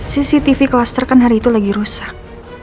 cctv klaster kan hari itu lagi rusak